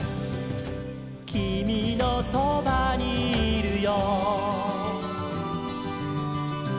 「きみのそばにいるよ」